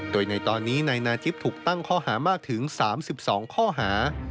โดยในตอนนี้นายนาทิพย์ถูกตั้งข้อหามากถึง๓๒ข้อหา